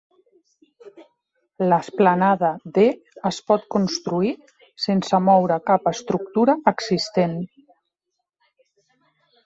L'esplanada D es pot construir sense moure cap estructura existent.